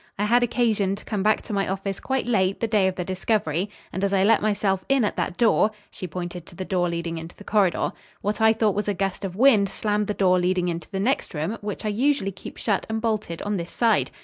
I had occasion to come back to my office quite late the day of the discovery, and, as I let myself in at that door," she pointed to the door leading into the corridor, "what I thought was a gust of wind slammed the door leading into the next room which I usually keep shut and bolted on this side.